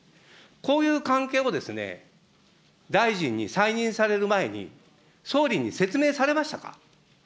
こういう関係を、大臣に再任される前に、総理に説明されましたか。